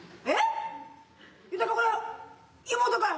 えっ？